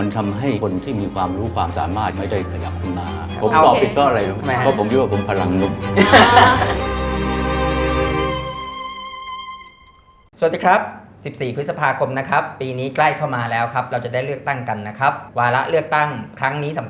ทำให้คนที่มีความรู้ความสามารถไม่ได้ขยับขึ้นมา